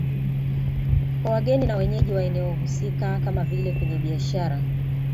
Kwa wageni na wenyeji wa eneo husika kama vile kwenye biashara